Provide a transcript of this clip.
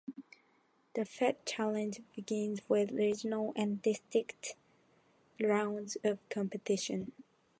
The Fed Challenge begins with regional and district rounds of competition.